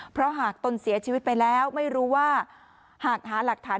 เพราะหากตนเสียชีวิตไปแล้วไม่รู้ว่าหากหาหลักฐาน